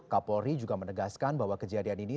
kapolri juga menegaskan bahwa kejadian ini